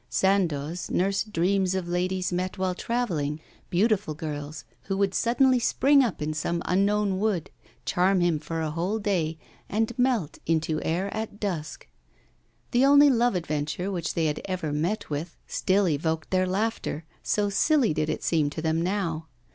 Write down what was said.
Sandoz nursed dreams of ladies met while travelling, beautiful girls who would suddenly spring up in some unknown wood, charm him for a whole day, and melt into air at dusk. The only love adventure which they had ever met with still evoked their laughter, so silly did it seem to them now.